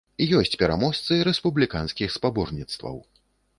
Ёсць пераможцы рэспубліканскіх спаборніцтваў.